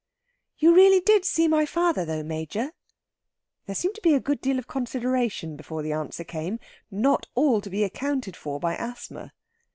"You really did see my father, though, Major?" There seemed to be a good deal of consideration before the answer came, not all to be accounted for by asthma.